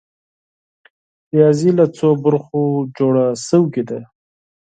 ریاضي له څو برخو جوړه شوې ده؟